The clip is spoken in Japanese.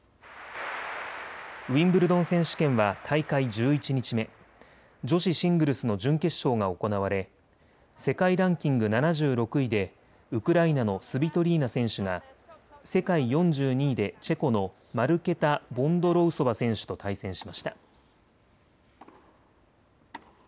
ウィンブルドン選手権は大会１１日目、女子シングルスの準決勝が行われ世界ランキング７６位でウクライナのスビトリーナ選手が世界４２位でチェコのマルケタ・ボンドロウソバ選手と対戦しました。